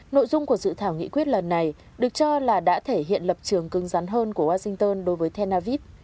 nội dung của dự thảo nghị quyết lần này được cho là đã thể hiện lập trường cưng rắn hơn của washington đối với tel aviv